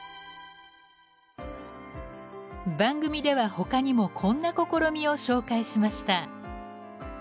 番組ではほかにもこんな試みを紹介しました。